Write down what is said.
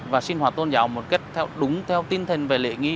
và sinh hoạt tôn giáo một cách đúng theo tinh thần về lễ nghi